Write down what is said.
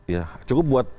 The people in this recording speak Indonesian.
ya cukup buat